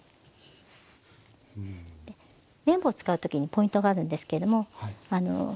麺棒使うときにポイントがあるんですけれども。